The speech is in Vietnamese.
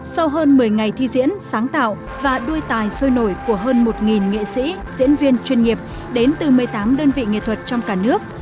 sau hơn một mươi ngày thi diễn sáng tạo và đuôi tài sôi nổi của hơn một nghệ sĩ diễn viên chuyên nghiệp đến từ một mươi tám đơn vị nghệ thuật trong cả nước